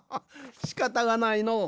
しかたがないのう。